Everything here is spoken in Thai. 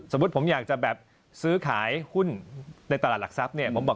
สมมุติผมอยากจะซื้อขายหุ้นในตลาดหลักทรัพย์เนี่ย